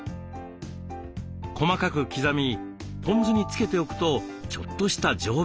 細かく刻みポン酢につけておくとちょっとした常備菜に。